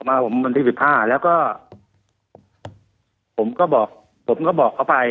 มาผมวันที่สิบห้าแล้วก็ผมก็บอกผมก็บอกเขาไป